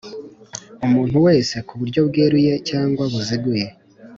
Umuntu wese ku buryo bweruye cyangwa buziguye